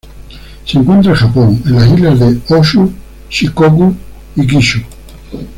Se encuentra en Japón en las islas de Honshu, Shikoku y Kyushu.